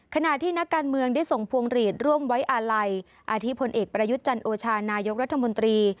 ขณะที่นักการเมืองได้ส่งพวงหลีดร่วมไว้อาลัยอาทิตยพลเอกประยุทธ์จันโอชานายกรัฐมนตรี